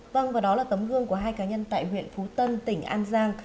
vâng và đó là tấm gương của hai cá nhân tại huyện phú tân tỉnh an giang